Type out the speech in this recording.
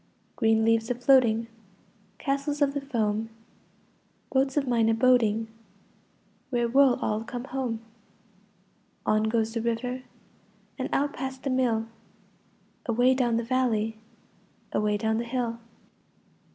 Green leaves a floating, Castles of the foam, Boats of mine a boating— Where will all come home? On goes the river And out past the mill, Away down the valley, Away down the hill.